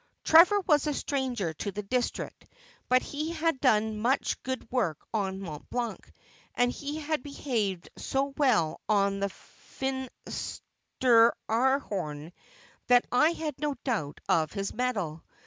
' Trevor was a stranger to the district, but he had done much good work on Mont Blanc, and he had behaved so well on the Finsteraarhorn that I had no doubt of his mettle.